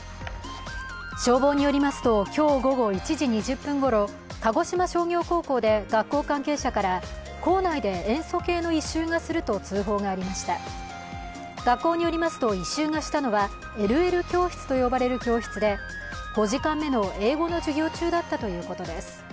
消防によりますと、今日午後１時２０分ごろ鹿児島商業高校で学校関係者から校内で塩素系の異臭がすると消防に通報がありました学校によりますと、異臭がしたのはＬＬ教室と呼ばれる教室で５時間目の英語の授業中だったということです。